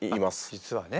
実はね。